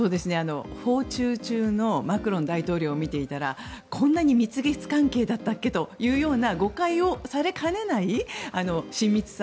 訪中中のマクロン大統領を見ていたらこんなに蜜月関係だったっけ？というような誤解をされかねない親密さ。